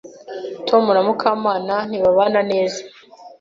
Tom na Mukamana ntibabana neza.